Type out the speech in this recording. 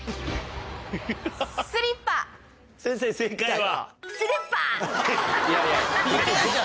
先生正解は？